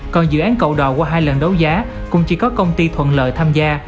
còn dự án cầu đò qua hai lần đấu giá cũng chỉ có công ty thuận lợi tham gia